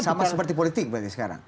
sama seperti politik berarti sekarang